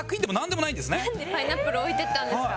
なんでパイナップル置いていったんですか？